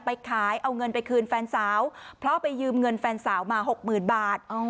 ไปขายเอาเงินไปคืนแฟนสาวเพราะไปยืมเงินแฟนสาวมาหกหมื่นบาท